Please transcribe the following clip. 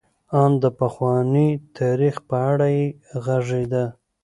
ان د پخواني تاریخ په اړه یې غږېده.